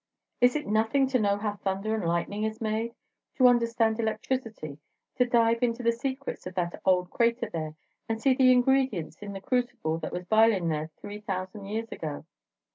"Is it nothing to know how thunder and lightning is made; to understand electricity; to dive into the secrets of that old crater there, and see the ingredients in the crucible that was bilin' three thousand years ago?"